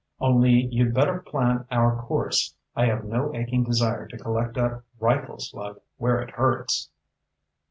Only you'd better plan our course. I have no aching desire to collect a rifle slug where it hurts."